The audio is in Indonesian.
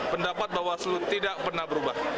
pendapat bawaslu tidak pernah berubah